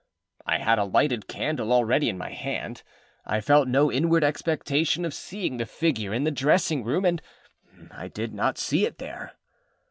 I had a lighted candle already in my hand. I felt no inward expectation of seeing the figure in the dressing room, and I did not see it there.